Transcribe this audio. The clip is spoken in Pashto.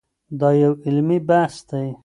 دا یو علمي بحث دی.